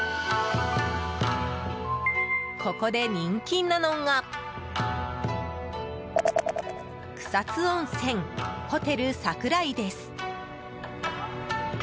ここで人気なのが草津温泉ホテル櫻井です。